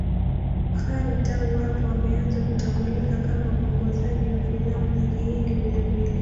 Khan tangu hapo ameanza kutambulika kama mwongozaji wa filamu za Kihindi vilevile.